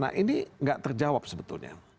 nah ini nggak terjawab sebetulnya